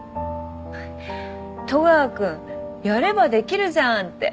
戸川君やればできるじゃんって。